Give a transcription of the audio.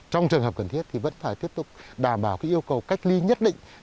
trong trường hợp cần thiết thì vẫn phải tiếp tục đảm bảo yêu cầu cách ly nhất định